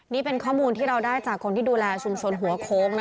นี่เป็นข้อมูลที่เราได้จากคนที่ดูแลชุมชนหัวโค้ง